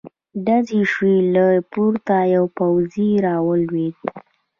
ډزې شوې، له پورته يو پوځې را ولوېد.